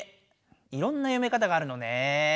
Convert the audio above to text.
いろんな読み方があるのね。